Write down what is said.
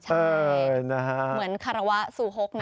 เหมือนคาราวะซูฮกนะ